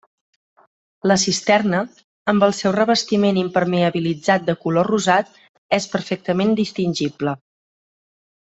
La cisterna, amb el seu revestiment impermeabilitzant de color rosat, és perfectament distingible.